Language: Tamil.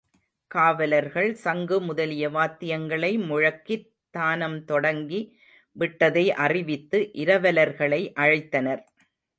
காவலர்கள் சங்கு முதலிய வாத்தியங்களை முழக்கித் தானம் தொடங்கி விட்டதை அறிவித்து இரவலர்களை அழைத்தனர்.